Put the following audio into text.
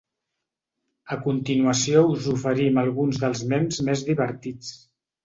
A continuació us oferim alguns dels mems més divertits.